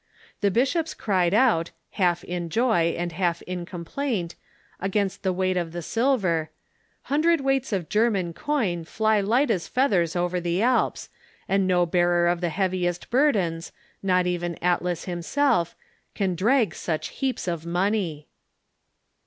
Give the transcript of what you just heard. The bishops cried out, half in joy and half in complaint, against the weight of the silver: "Hundred weights of German coin fly light as feathers over the Alps, and no bearer of the heaviest burdens, not even Atlas himself, can drag such heaps of money."